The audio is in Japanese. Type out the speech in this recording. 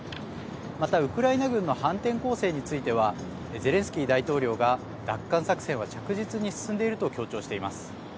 また、ウクライナ軍の反転攻勢についてはゼレンスキー大統領が奪還作戦は着実に進んでいると強調しています。